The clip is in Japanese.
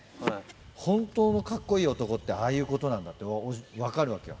本当のかっこいい男って、ああいうことなんだって分かるわけよ。